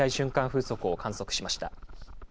風速を観測しました。